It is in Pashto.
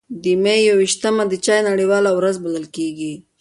د مې یو ویشتمه د چای نړیواله ورځ بلل کېږي.